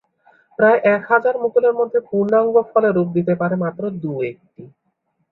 প্রায় এক হাজার মুকুলের মধ্যে পূর্ণাঙ্গ ফলে রূপ নিতে পারে মাত্র দু’একটি।